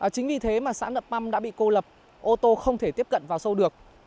chính vì thế mà xã nậm păm đã bị cô lập ô tô không thể tiếp cận vào sâu được